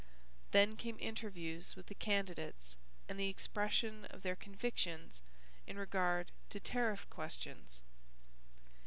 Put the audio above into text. Then came interviews with the candidates and the expression of their convictions in regard to tariff questions.